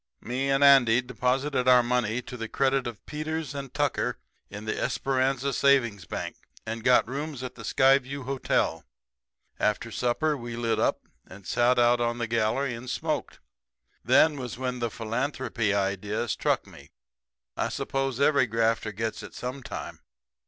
"Me and Andy deposited our money to the credit of Peters and Tucker in the Esperanza Savings Bank, and got rooms at the Skyview Hotel. After supper we lit up, and sat out on the gallery and smoked. Then was when the philanthropy idea struck me. I suppose every grafter gets it sometime.